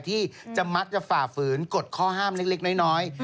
ที่จะมักจะฝ่าฝืนกฎข้อห้ามเล็กน้อย